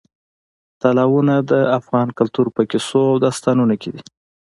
تالابونه د افغان کلتور په کیسو او داستانونو کې دي.